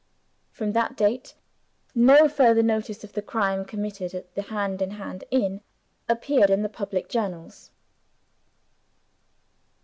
From that date, no further notice of the crime committed at the Hand in Hand inn appeared in the public journals.